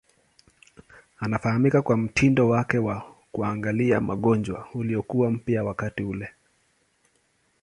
Anafahamika kwa mtindo wake wa kuangalia magonjwa uliokuwa mpya wakati ule.